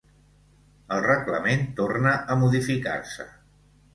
El reglament torna a modificar-se.